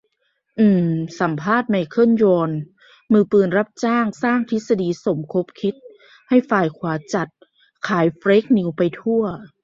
เอิ่ม สัมภาษณ์ ไมเคิล ยอน มือปืนรับจ้างสร้างทฤษฎีสมคบคิดให้ฝ่ายขวาจัด ขายเฟคนิวส์ไปทั่ว